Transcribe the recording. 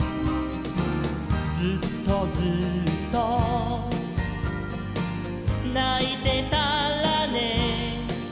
「ずっとずっとないてたらね」